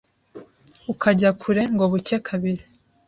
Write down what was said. ukajya kure ngo buke kabiri”